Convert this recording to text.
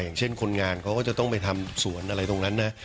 อย่างเช่นคนงานเขาก็จะต้องไปทำสวนอะไรตรงนั้นนะ